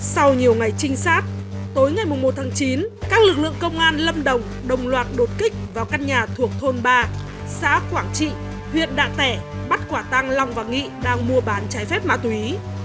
sau nhiều ngày trinh sát tối ngày một tháng chín các lực lượng công an lâm đồng đồng loạt đột kích vào căn nhà thuộc thôn ba xã quảng trị huyện đạ tẻ bắt quả tăng long và nghị đang mua bán trái phép ma túy